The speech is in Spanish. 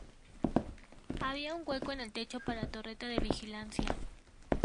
Había un hueco en el techo para torreta de vigilancia.